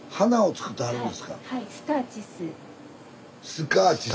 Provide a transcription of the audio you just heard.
スカーチス？